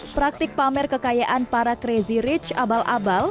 praktik pamer kekayaan para crazy rich abal abal